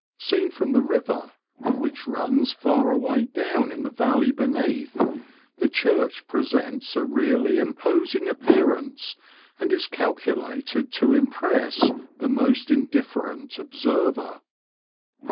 8een from the river, which runs far away down in the valley beneath, the church presents a really imposing appearance, and is calculated to impress the most indifferent observer.